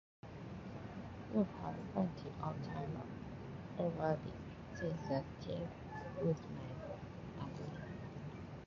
"You've had plenty of time already," said the Tin Woodman, angrily.